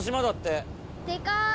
でかい！